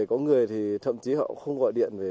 có người thì thậm chí họ không gọi điện về